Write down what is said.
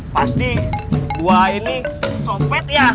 pasti gua ini sopet ya